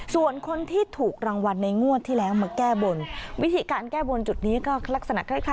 ส่วนคนที่ถูกรางวัลในงวดที่แล้วมาแก้บนวิธีการแก้บนจุดนี้ก็ลักษณะคล้าย